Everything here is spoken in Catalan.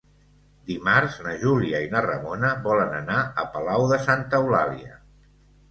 Dimarts na Júlia i na Ramona volen anar a Palau de Santa Eulàlia.